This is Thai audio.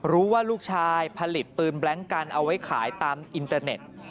รู้ว่าลูกชายผลิตปืนแบล็งกันเอาไว้ขายตามอินเตอร์เน็ต